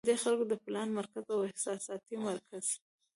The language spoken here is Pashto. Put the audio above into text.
د دې خلکو د پلان مرکز او احساساتي مرکز